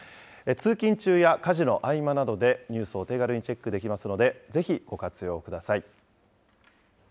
通勤中や家事の合間などでニュースをお手軽にチェックできますので、ぜひご活用ください。